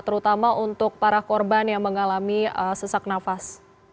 terutama untuk para korban yang mengalami sesak nafas